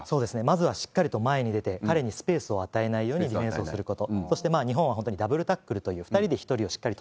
まずはしっかりと前に出て、彼にスペースを与えないようにディフェンスをすること。